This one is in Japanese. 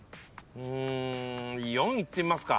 ４いってみますか。